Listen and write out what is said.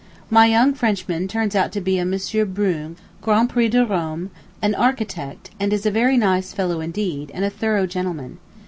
My young Frenchman turns out to be a M. Brune grand prix de Rome, an architect, and is a very nice fellow indeed, and a thorough gentleman.